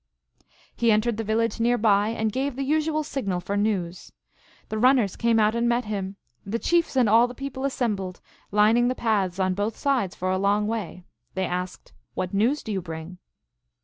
He entered the village near by, and gave the usual signal for news. The runners came out and met him ; the chiefs and all the people assembled, lining the path on both sides for a long way. They asked, " What news do you bring?